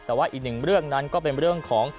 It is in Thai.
แต่ว่าอีกหนึ่งเรื่องนั้นก็เป็นเรื่องของ